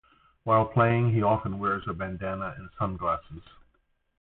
While playing he often wears a bandana and sunglasses.